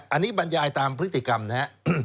อันนี้บรรยายตามพฤติกรรมนะครับ